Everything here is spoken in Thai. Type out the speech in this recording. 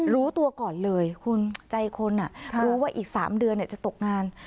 รู้ตัวก่อนเลยคุณใจคนรู้ว่าอีก๓เดือนจะตกงาน